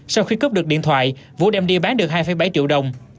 sau khi cướp được điện thoại vũ đem đi bán được hai bảy triệu đồng